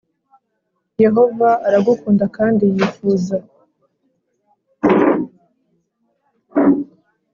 Yehova aragukunda kandi yifuza